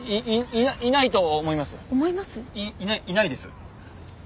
いいないないです。